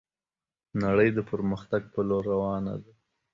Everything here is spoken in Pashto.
نړي د پرمختګ په لور روانه ده